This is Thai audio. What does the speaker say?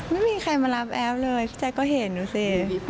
ไม่มีใครมารับแอฟเลยพี่แจ๊คก็เห็นดูสิ